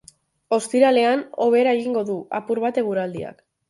Ostiralean hobera egingo du apur bat eguraldiak.